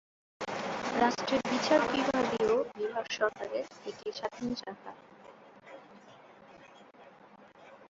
রাষ্ট্রের বিচার বিভাগীয় বিভাগ সরকারের একটি স্বাধীন শাখা।